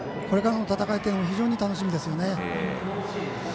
これからの戦いというのも非常に楽しみですね。